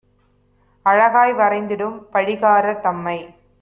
அழகாய் வரைந்திடும் பழிகாரர் தம்மை